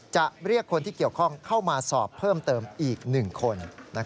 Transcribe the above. จะเรียกคนที่เกี่ยวข้องเข้ามาสอบเพิ่มเติมอีก๑คน